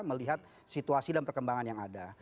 melihat situasi dan perkembangan yang ada